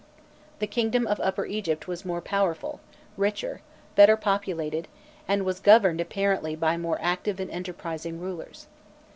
The kingdom of Upper Egypt was more powerful, richer, better populated, and was governed apparently by more active and enterprising rulers.